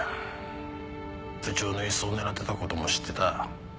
部長の椅子を狙ってた事も知ってた。